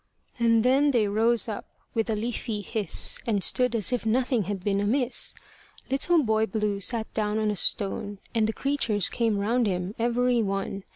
And then they rose up with a leafy hiss, And stood as if nothing had been amiss. Little Boy Blue sat down on a stone, And the creatures came round him every one.